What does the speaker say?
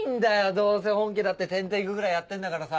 どうせ本家だって１０テイクぐらいやってんだからさ。